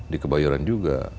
di kebayoran juga